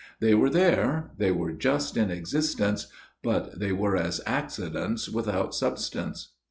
They were there they were just in existence ; but they were as accidents without substance.